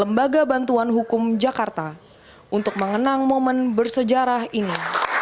lembaga bantuan hukum jakarta untuk mengenang momen bersejarah ini